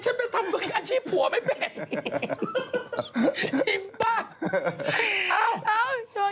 ฉันเป็นทำอาชีพผัวไหมเป็น